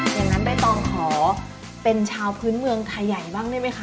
งั้นใบตองขอเป็นชาวพื้นเมืองไทยใหญ่บ้างได้ไหมคะ